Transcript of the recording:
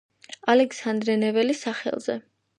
ალექსანდრე ნეველის სახელზე.